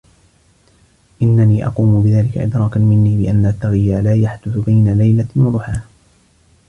إنني أقوم بذلك إدراكا مني بأن التغيير لا يحدث بين ليلة وضحاها.